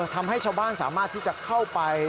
ทำให้ชาวบ้านสามารถที่จะเข้าไป